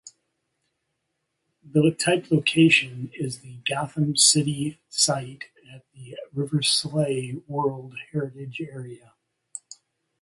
The type location is the Gotham City Site at the Riversleigh World Heritage Area.